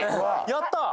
やったー